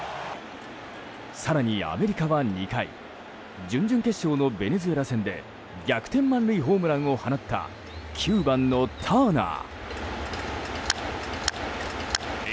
更にアメリカは２回準々決勝のベネズエラ戦で逆転満塁ホームランを放った９番のターナー。